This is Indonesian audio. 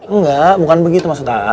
enggak bukan begitu maksud a